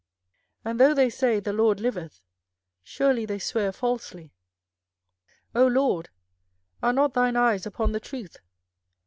24:005:002 And though they say, The LORD liveth; surely they swear falsely. 24:005:003 O LORD, are not thine eyes upon the truth?